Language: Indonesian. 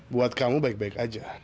buat kamu baik baik aja